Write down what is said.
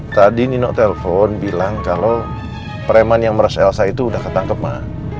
tadi nino telpon bilang kalau preman yang meras elsa itu udah ketangkep mak